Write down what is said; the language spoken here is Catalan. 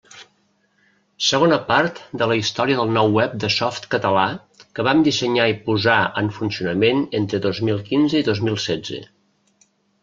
Segona part de la història del nou web de Softcatalà, que vam dissenyar i posar en funcionament entre dos mil quinze i dos mil setze.